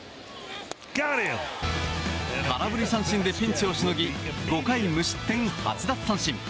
空振り三振でピンチをしのぎ５回無失点で８奪三振。